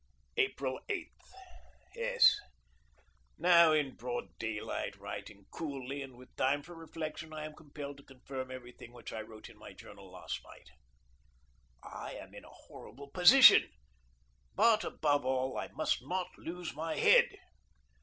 April 8. Yes, now, in broad daylight, writing coolly and with time for reflection, I am compelled to confirm every thing which I wrote in my journal last night. I am in a horrible position, but, above all, I must not lose my head.